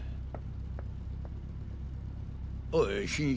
おい新一。